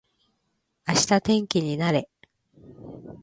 明日天気になれ